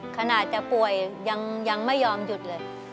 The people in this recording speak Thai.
ขนาดจะป่วยยังไม่ยอมหยุดเลย